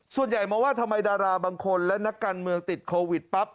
ส่วนใหญ่มองว่าทำไมดาราบางคนและนักการเมืองติดโควิดปั๊บ